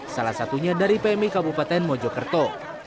salah satunya dari pmi kabupaten mojokerto